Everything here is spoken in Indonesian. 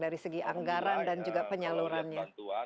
dari segi anggaran dan juga penyalurannya